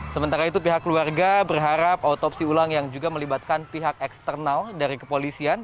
sementara itu pihak keluarga berharap autopsi ulang yang juga melibatkan pihak eksternal dari kepolisian